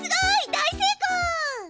大成功！